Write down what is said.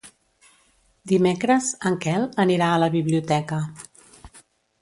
Dimecres en Quel anirà a la biblioteca.